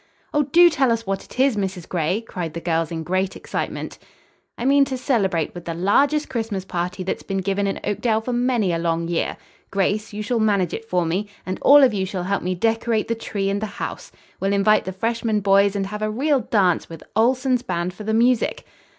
"Oh, do tell us what it is, Mrs. Gray," cried the girls in great excitement. "I mean to celebrate with the largest Christmas party that's been given in Oakdale for many a long year. Grace, you shall manage it for me, and all of you shall help me decorate the tree and the house. We'll invite the freshmen boys and have a real dance with Ohlson's band for the music."